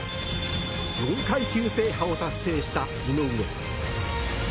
４階級制覇を達成した井上。